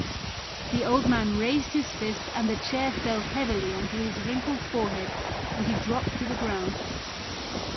The old man raised his fist and the chair fell heavily on to his wrinkled forehead and he dropped to the ground.